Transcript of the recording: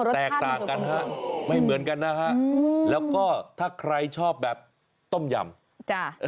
แทขต่างกันแล้วก็ถ้าใครชอบแบบต้มยำ